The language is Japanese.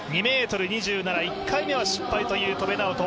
２ｍ２７、１回目は失敗という戸邉直人。